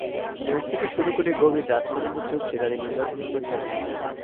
ভোর থেকে শুরু করে গভীর রাত পর্যন্ত চলছে তাঁদের নির্বাচনী প্রচারণা।